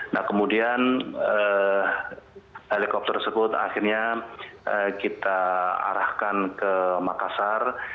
nah kemudian helikopter tersebut akhirnya kita arahkan ke makassar